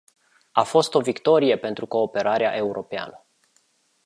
A fost o victorie pentru cooperarea europeană.